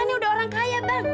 yang ini udah orang kaya bang